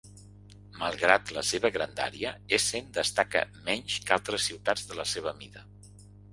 Malgrat la seva grandària, Essen destaca menys que altres ciutats de la seva mida.